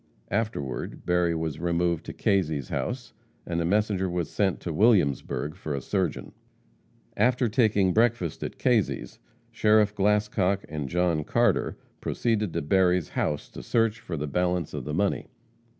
Afterward, Berry was removed to Kazy's house, and a messenger was sent to Williamsburg for a surgeon. After taking breakfast at Kazy's, Sheriff Glascock and John Carter proceeded to Berry's house to search for the balance of the money.